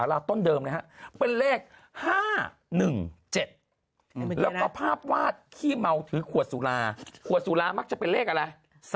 โว้งต้นเดิมไว้เอนภาพภาพวาดคี่เหมาทึกครัวกราคสาระขวัดซูราประจำเป็นเลขอะไร